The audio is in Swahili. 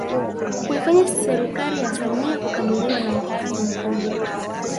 Kuifanya serikali ya Samia kukabiliwa na mtihani mkubwa